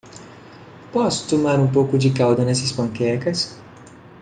Posso tomar um pouco de calda nessas panquecas?